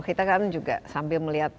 kita kan juga sambil melihat